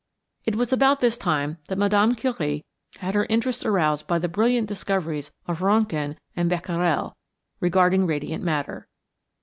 It was about this time that Mme. Curie had her interest aroused by the brilliant discoveries of Röntgen and Becquerel regarding radiant matter.